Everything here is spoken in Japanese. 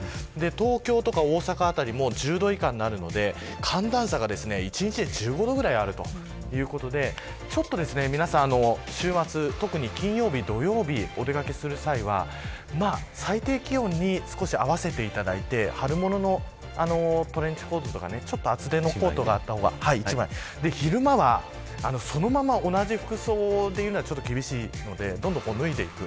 東京とか大阪辺りも１０度以下になるので寒暖差が１日で１５度ぐらいあるということで週末、特に金曜日、土曜日お出掛けする際は最低気温に少し合わせていただいて春物のトレンチコートとか厚手のコートがあった方が昼間は、そのまま同じ服装というのは厳しいのでどんどん脱いでいく。